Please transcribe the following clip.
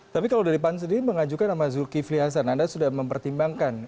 tapi kalau dari pan sendiri mengajukan nama zulkifli hasan anda sudah mempertimbangkan